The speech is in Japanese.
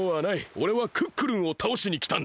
おれはクックルンをたおしにきたんだ！